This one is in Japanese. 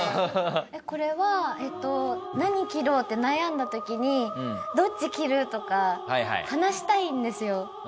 これは「何切ろう？」って悩んだ時に「どっち切る？」とか話したいんですよ。